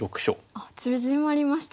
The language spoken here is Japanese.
あっ縮まりましたね。